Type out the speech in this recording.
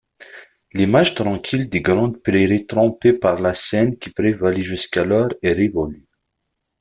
L'image tranquille des grandes prairies trempées par la Senne qui prévalait jusqu'alors est révolue.